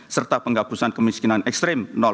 serta penghapusan kemiskinan ekstrim